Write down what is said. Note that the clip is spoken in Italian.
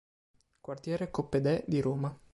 Quartiere Coppedè di Roma.